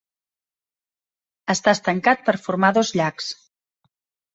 Està estancat per formar dos llacs.